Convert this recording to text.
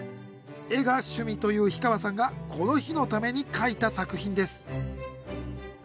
絵が趣味という氷川さんがこの日のために描いた作品です